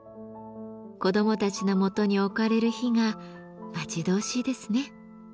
子どもたちのもとに置かれる日が待ち遠しいですね。